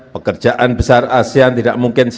pekerjaan besar asean tidak mungkin